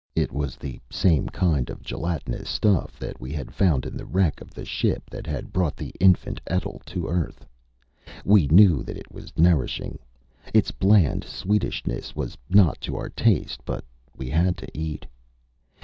It was the same kind of gelatinous stuff that we had found in the wreck of the ship that had brought the infant Etl to Earth. We knew that it was nourishing. Its bland sweetishness was not to our taste, but we had to eat.